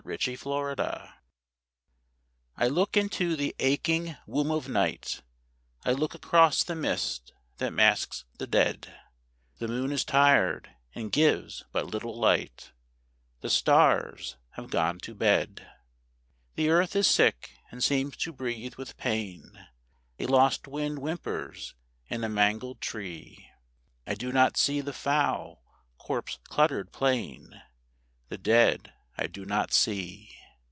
... The Mourners I look into the aching womb of night; I look across the mist that masks the dead; The moon is tired and gives but little light, The stars have gone to bed. The earth is sick and seems to breathe with pain; A lost wind whimpers in a mangled tree; I do not see the foul, corpse cluttered plain, The dead I do not see.